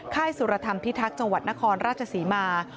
ค่ายสุรธรรมพิทักษ์จังหวัดนครราชศรีมา